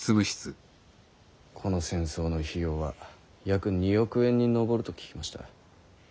この戦争の費用は約２億円に上ると聞きました。